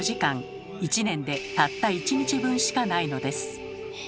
１年でたった１日分しかないのです。